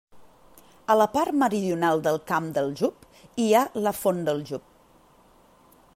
A la part meridional del Camp del Jub hi ha la Font del Jub.